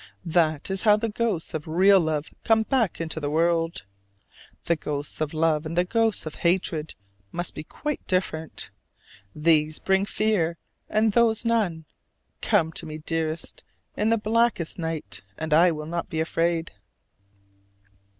That is how the ghosts of real love come back into the world. The ghosts of love and the ghosts of hatred must be quite different: these bring fear, and those none. Come to me, dearest, in the blackest night, and I will not be afraid.